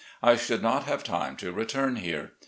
I should not have time to return here.